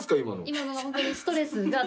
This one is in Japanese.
今のはストレスが。